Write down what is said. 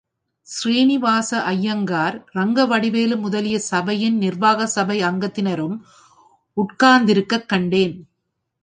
ஸ்ரீனிவாச ஐயங்கார், ரங்கவடிவேலு முதலிய சபையின் நிர்வாக சபை அங்கத்தினரும் உட்டார்ந்திருக்கக் கண்டேன்.